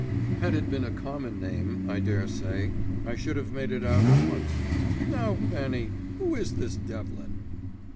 "Had it been a common name, I daresay I should have made it out at once. Now, Fanny, who is this Devlin?"